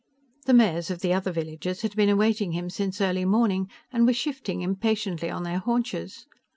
The mayors of the other villages had been awaiting him since early morning and were shifting impatiently on their haunches.